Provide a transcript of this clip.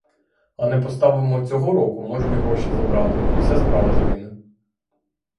А не поставимо цього року, можуть гроші забрати — і вся справа загине.